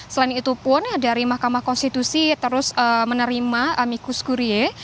selain itu pun dari mahkamah konstitusi terus menerima amikus kurie